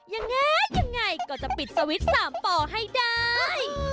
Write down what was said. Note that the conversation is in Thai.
อย่างงี้อย่างงี้ก็จะปิดสวิตช์๓ป่อให้ได้